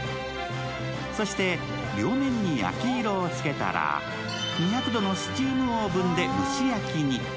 そして、両面に焼き色をつけたら、２００度のスチームオーブンで蒸し焼きに。